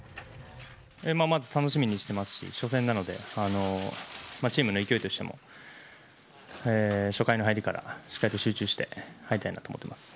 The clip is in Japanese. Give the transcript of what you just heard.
まず楽しみにしていますし初戦なのでチームの勢いとしても初回の入りからしっかりと集中して入りたいなと思っています。